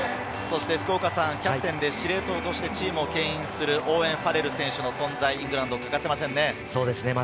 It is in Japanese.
キャプテンで司令塔としてチームをけん引するオーウェン・ファレル選手の存在はイングランドに欠かせませんね。